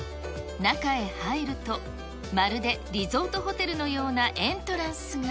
中へ入ると、まるで、リゾートホテルのようなエントランスが。